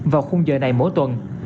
vào khung giờ này mỗi tuần